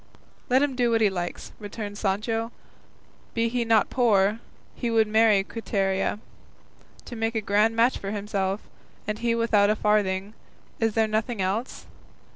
"Let him do what he likes," returned Sancho; "be he not poor, he would marry Quiteria. To make a grand match for himself, and he without a farthing; is there nothing else?